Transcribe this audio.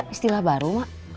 istilah baru ma